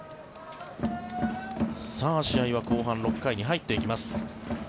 試合は後半６回に入っていきます。